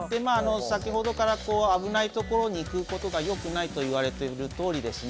先ほどから危ないところに行くことがよくないと言われてるとおりですね